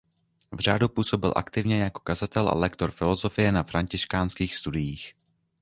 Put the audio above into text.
V řádu působil aktivně jako kazatel a lektor filozofie na františkánských studiích.